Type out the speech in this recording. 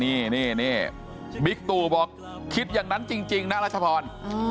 นี่บิ๊กตู่บอกคิดอย่างนั้นจริงนะรัชพร